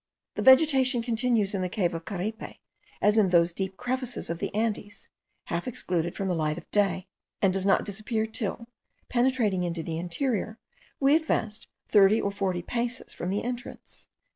The vegetation continues in the cave of Caripe as in those deep crevices of the Andes, half excluded from the light of day, and does not disappear till, penetrating into the interior, we advance thirty or forty paces from the entrance.